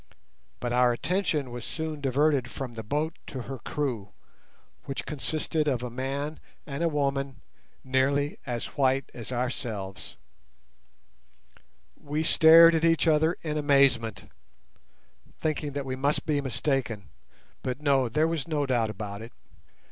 But our attention was soon diverted from the boat to her crew, which consisted of a man and a woman, nearly as white as ourselves. We stared at each other in amazement, thinking that we must be mistaken; but no, there was no doubt about it.